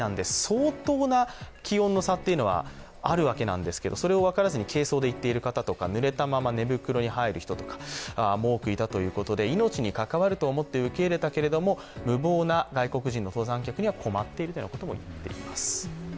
相当な気温の差というのはあるわけなんですけれどもそれを分からずに軽装で行っている方とかぬれたまま寝袋に入る方も多くいたということで命に関わると思って受け入れたけども、無謀な外国人登山客には困っているというようなこともいっています。